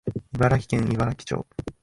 茨城県茨城町